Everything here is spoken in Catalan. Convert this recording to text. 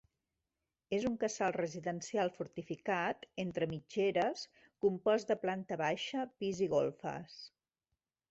És un casal residencial fortificat, entre mitgeres, compost de planta baixa, pis i golfes.